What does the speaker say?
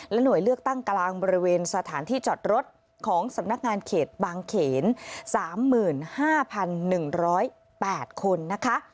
หน่วยเลือกตั้งกลางบริเวณสถานที่จอดรถของสำนักงานเขตบางเขน๓๕๑๐๘คนนะคะ